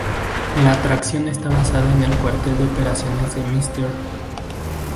La atracción está basada en el cuartel de operaciones de Mr.